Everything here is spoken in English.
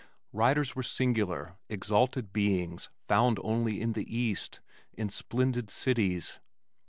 Writers were singular, exalted beings found only in the East in splendid cities.